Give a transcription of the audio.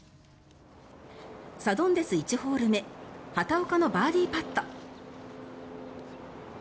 サドンデス１ホール目畑岡のバーディーパット。